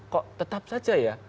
kok tetap saja ya